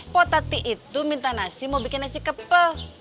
potati itu minta nasi mau bikin nasi kepel